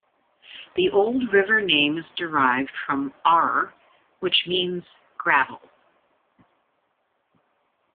The old river name is derived from "aurr" which means "gravel".